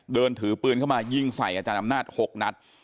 เดินถือปืนเข้ามายิงใส่อาจารย์อำนาจ๖นัด